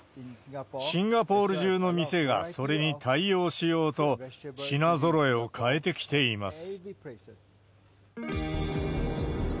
シンガポール中の店がそれに対応しようと、品ぞろえを変えてきています。